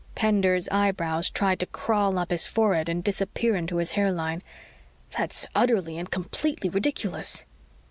Pender's eyebrows tried to crawl up his forehead and disappear into his hairline. "That's utterly and completely ridiculous."